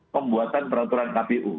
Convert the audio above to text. pembuatan peraturan kpu